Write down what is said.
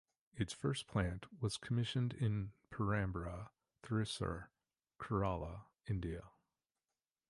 Its first plant was commissioned in Perambra, Thrissur, Kerala, India.